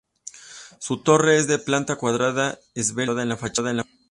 Su torre es de planta cuadrada, esbelta y situada en fachada.